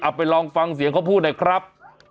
ไปลองฟังเสียงเขาพูดหน่อยครับ